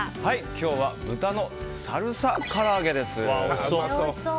今日は豚のサルサから揚げです。